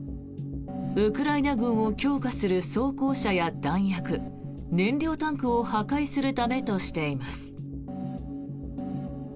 ウクライナ軍を強化する装甲車や弾薬、燃料タンクを破壊するためとしています。